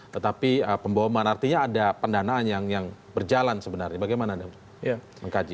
tetapi pembohongan artinya ada pendanaan yang berjalan sebenarnya bagaimana anda mengkaji